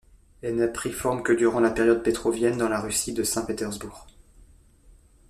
Elle n'a pris forme que durant la période pétrovienne dans la Russie de Saint-Pétersbourg.